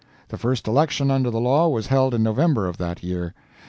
The first election under the law was held in November of that year.